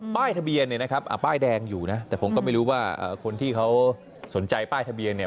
ป้ายทะเบียนเนี่ยนะครับป้ายแดงอยู่นะแต่ผมก็ไม่รู้ว่าคนที่เขาสนใจป้ายทะเบียนเนี่ย